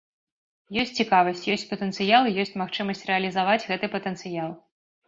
Ёсць цікавасць, ёсць патэнцыял і ёсць магчымасць рэалізаваць гэты патэнцыял.